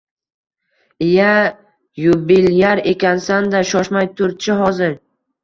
lya, yubilyar ekansan-da, shoshmay tur-chi. hozir...